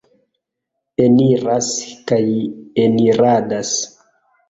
Eniras kaj eniradas.